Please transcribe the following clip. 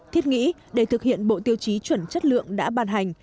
thiết nghĩ để thực hiện bộ tiêu chí chuẩn chất lượng đã ban hành